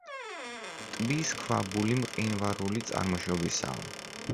ტბის ქვაბული მყინვარული წარმოშობისაა.